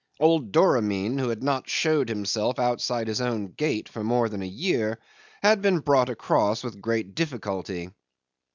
Old Doramin, who had not showed himself outside his own gate for more than a year, had been brought across with great difficulty.